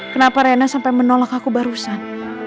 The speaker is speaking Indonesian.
kenapa rena sampai menolak aku barusan